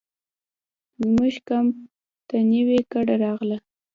زموږ کمپ ته نوې کډه راغله.